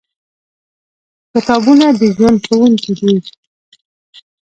کتابونه د ژوند ښوونکي دي.